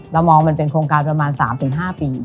เรามองมันเป็นโครงการประมาณ๓๕ปี